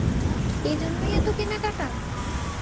এ জন্যই এতো কেনাকাটা?